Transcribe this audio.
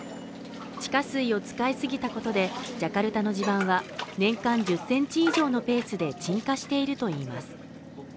地下水を使いすぎたことでジャカルタの地盤は年間１０センチ以上のペースで沈下しているといいます。